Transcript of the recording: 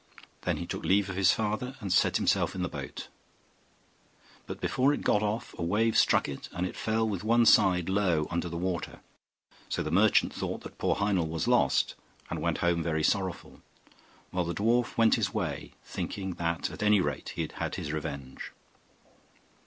Then he took leave of his father, and set himself in the boat, but before it got far off a wave struck it, and it fell with one side low in the water, so the merchant thought that poor Heinel was lost, and went home very sorrowful, while the dwarf went his way, thinking that at any rate he had had his revenge.